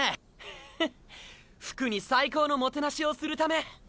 フッフクに最高のもてなしをするため。